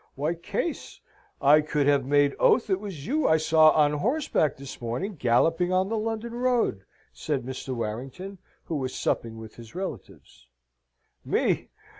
"Why, Case, I could have made oath it was you I saw on horseback this morning galloping on the London road," said Mr. Warrington, who was supping with his relatives. "Me!